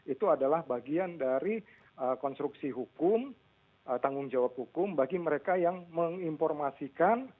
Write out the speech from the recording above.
itu adalah bagian dari konstruksi hukum tanggung jawab hukum bagi mereka yang menginformasikan